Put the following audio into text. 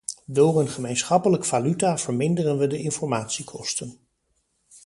Door een gemeenschappelijke valuta verminderen we de informatiekosten.